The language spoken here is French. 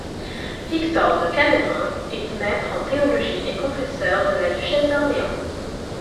Victor de Camerin est maître en théologie et confesseur de la duchesse d'Orléans.